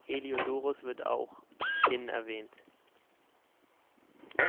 Heliodoros wird auch in erwähnt.